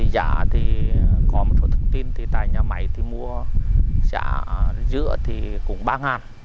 giá thì có một số thông tin thì tại nhà máy thì mua giá dứa thì cũng ba ngàn